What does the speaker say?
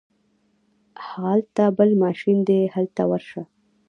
هغلته بل ماشین دی هلته ورشه.